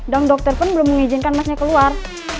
dan dokter pun belum mengizinkan masnya keluar